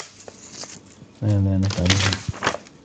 ماذا نفعل هنا؟